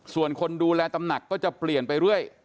ส่วนคนดูแลตำหนักก็จะเปลี่ยนไปเรื่อย